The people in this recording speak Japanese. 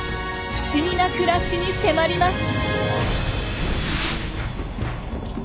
不思議な暮らしに迫ります！